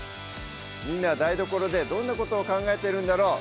みんなは台所でどんなことを考えてるんだろう